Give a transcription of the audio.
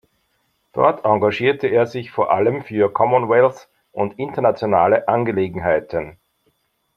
Dort engagierte er sich vor allem für Commonwealth- und internationale Angelegenheiten.